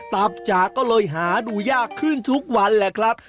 ตับจากก็เลยหาดูยากขึ้นทุกวันแหละครับ